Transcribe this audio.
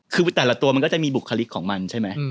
คือแต่ละตัวมันก็จะมีบุคลิกของมันใช่ไหม